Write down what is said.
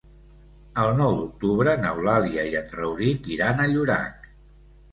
El nou d'octubre n'Eulàlia i en Rauric iran a Llorac.